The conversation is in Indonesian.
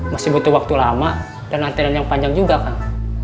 masih butuh waktu lama dan antrian yang panjang juga kan